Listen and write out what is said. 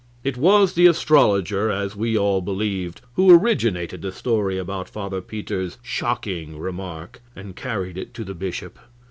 It was the astrologer, as we all believed, who originated the story about Father Peter's shocking remark and carried it to the bishop.